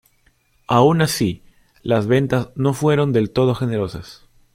Aun así, las ventas no fueron del todo generosas.